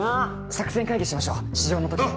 作戦会議しましょう「至上の時」で。